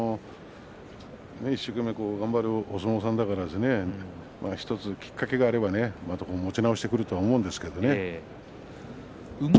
一生懸命頑張るお相撲さんですから１つきっかけがあれば持ち直してくると思います。